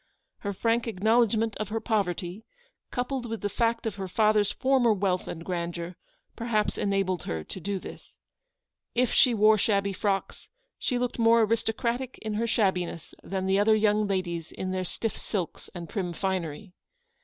Her frank acknowledgment of her poverty, coupled with the fact of her father's former wealth and grandeur, perhaps enabled her to do this. If she wore shabby frocks, she looked more aristocratic in her shabbiness than MRS. BANNISTER HOLDS OUT A HELPING HAND. 205 the other young ladies in their stiff silks and prim finery.